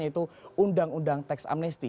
yaitu undang undang tax amnesty